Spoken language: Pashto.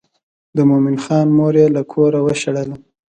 د مومن خان مور یې له کوره وشړله.